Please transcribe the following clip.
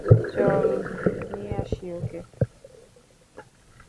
চল নিয়ে আসি ওকে!